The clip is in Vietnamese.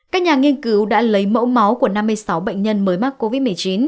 các nhà nghiên cứu đã lấy mẫu máu của năm mươi sáu bệnh nhân mới mắc covid một mươi chín